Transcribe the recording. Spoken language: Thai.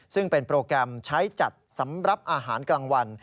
ซึ่งเป็นโปรแกรมใช้จัดสำหรับอาหารกลางวัน